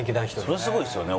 それすごいですよね。